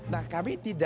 nah kami tidak percaya